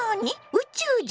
宇宙人？